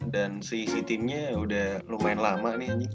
dan si timnya udah lumayan lama nih anjing